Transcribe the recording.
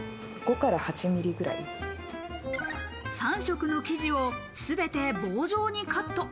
３色の生地をすべて棒状にカット。